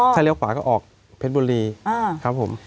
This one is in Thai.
ถ้าเลี้ยวขวาก็ออกเพชรบุรีครับผม